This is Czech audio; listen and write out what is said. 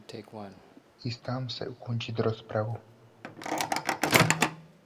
Chystám se ukončit rozpravu.